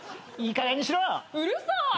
うるさい！